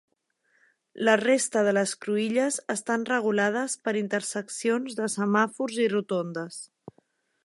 La resta de les cruïlles estan regulades per interseccions de semàfors i rotondes.